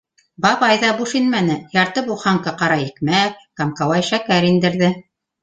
Бабай ҙа буш инмәне, ярты буханка ҡара икмәге, камкауай шәкәр индерҙе.